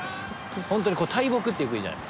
本当に大木ってよく言うじゃないですか。